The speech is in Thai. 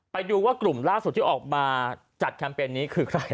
ไปดูว่ากลุ่มล่าสุดที่ออกมาจัดแคมเปญนี้คือใคร